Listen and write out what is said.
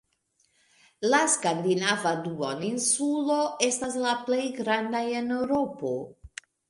La Skandinavia duoninsulo estas la plej granda en Eŭropo.